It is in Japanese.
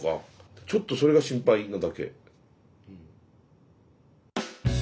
ちょっとそれが心配なだけうん。